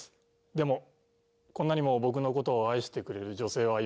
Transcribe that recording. でもこんなにも僕の事を愛してくれる女性はいません。